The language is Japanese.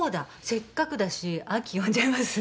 せっかくだし亜紀呼んじゃいます？